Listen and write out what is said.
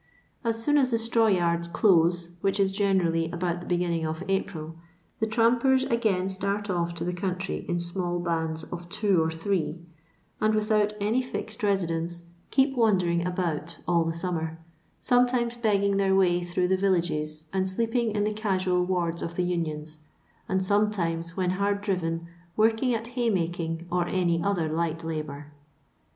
As soon as the "straw yards" close, which is generally about the beginning of April, the *'trampers" again start off to the country in small bands of two or three, and without any fixed residence keep wandering about all the summer, sometimes begging their way through the villages and sleep ing in the casual wards of the unions, and some times, when hard driven, working at hay making or any other light labour.